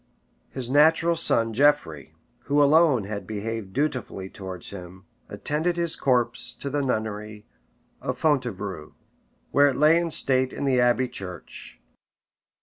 His natural son, Geoffrey, who alone had behaved dutifully towards him, attended his corpse to the nunnery of Fontervrault; where it lay in state in the abbey church.